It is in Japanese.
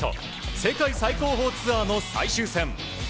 世界最高峰ツアーの最終戦。